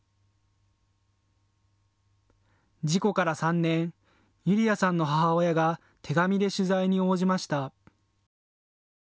事故から３年、ゆり愛さんの母親が手紙で取材に応じました。